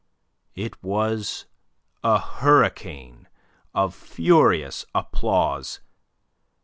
It was a hurricane of furious applause.